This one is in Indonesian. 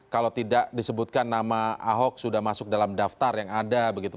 kalau tidak disebutkan nama ahok sudah masuk dalam daftar yang ada begitu